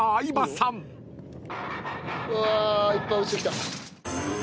うわいっぱい落ちてきた。